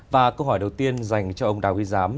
và câu hỏi đầu tiên dành cho ông đào huy giám